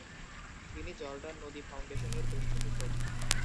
তিনি জর্ডান নদী ফাউন্ডেশনের পৃষ্ঠপোষক।